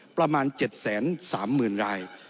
ประมาณ๗๓๐๐๐ราย